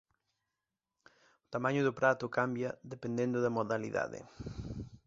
O tamaño do prato cambia dependendo da modalidade.